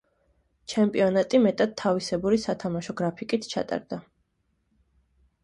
ჩემპიონატი მეტად თავისებური სათამაშო გრაფიკით ჩატარდა.